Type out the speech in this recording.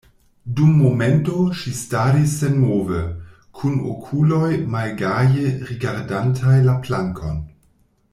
Dum momento ŝi staris senmove, kun okuloj malgaje rigardantaj la plankon.